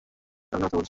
তামিলে কথা বলছি।